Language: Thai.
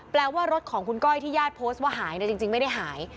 ว่ารถของคุณก้อยที่ญาติโพสต์ว่าหายจริงไม่ได้หาย